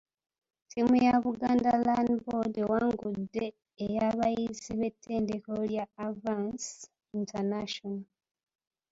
Ttiimu ya Buganda Land Board ewangudde ey’abayizi b’ettendekero lya Avance International.